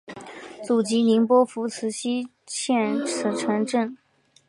祖籍宁波府慈溪县慈城镇。